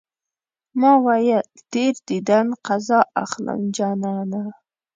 ما ويل تېر ديدن قضا اخلم جانانه